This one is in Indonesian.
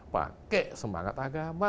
pakai semangat agama